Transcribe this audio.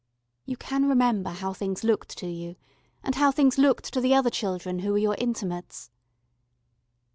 You can remember how things looked to you, and how things looked to the other children who were your intimates.